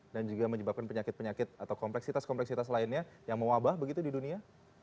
dan juga menyebabkan penyakit penyakit atau kompleksitas kompleksitas lainnya yang mewabah begitu di dunia